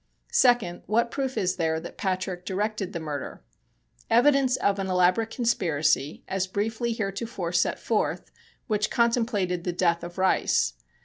Second: What proof is there that Patrick directed the murder? Evidence of an elaborate conspiracy, as briefly heretofore set forth, which contemplated the death of Rice.